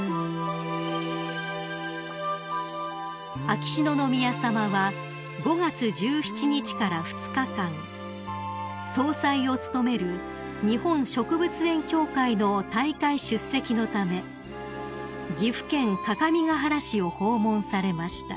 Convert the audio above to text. ［秋篠宮さまは５月１７日から２日間総裁を務める日本植物園協会の大会出席のため岐阜県各務原市を訪問されました］